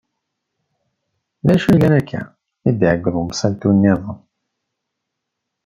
Acu yellan akka? i d-iɛeggeḍ umsaltu niḍen.